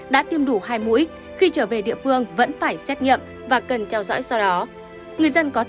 đã tiêm đủ hai mũi khi trở về địa phương vẫn phải xét nghiệm và cần theo dõi sau đó